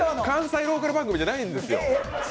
関西ローカル番組じゃないんですよ。